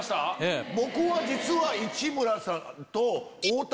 実は市村さんと。